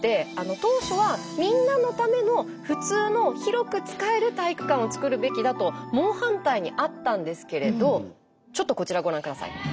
当初はみんなのための普通の広く使える体育館を作るべきだと猛反対にあったんですけれどちょっとこちらをご覧下さい。